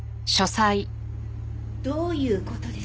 どういう事です？